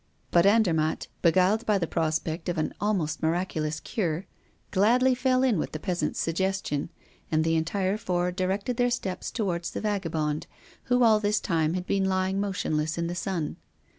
But Andermatt, beguiled by the prospect of an almost miraculous cure, gladly fell in with the peasant's suggestion; and the entire four directed their steps toward the vagabond, who, all this time, had been lying motionless in the sun.